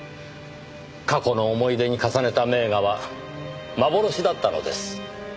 過去の思い出に重ねた名画は幻だったのです。